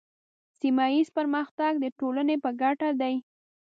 سیمه ایز پرمختګ د ټولنې په ګټه دی.